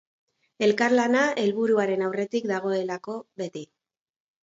Elkarlana helburuaren aurretik dagoelako beti.